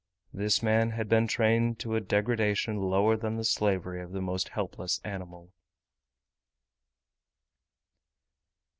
This man had been trained to a degradation lower than the slavery of the most helpless animal.